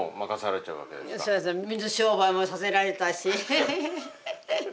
そうそう水商売もさせられたし。